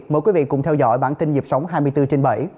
mời quý vị cùng theo dõi bản tin nhịp sống hai mươi bốn trên bảy